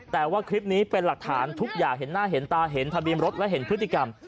แต่ว่าคลิปนี้เป็นหลักฐานทุกอย่างเห็นหน้าเห็นตาเห็นทะเบียนรถและเห็นพฤติกรรม